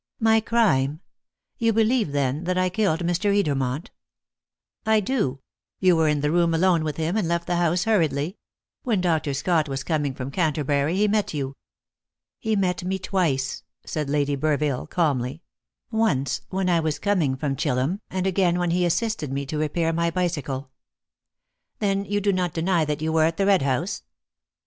"My crime! You believe, then, that I killed Mr. Edermont?" "I do. You were in the room alone with him, and left the house hurriedly. When Dr. Scott was coming from Canterbury he met you." "He met me twice," said Lady Burville calmly; "once when I was coming from Chillum, and again when he assisted me to repair my bicycle." "Then you do not deny that you were at the Red House?"